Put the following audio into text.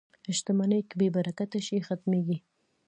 • شتمني که بې برکته شي، ختمېږي.